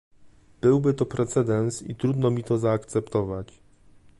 Byłby to precedens i trudno mi to zaakceptować